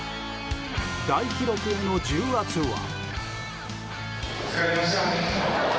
大記録への重圧は。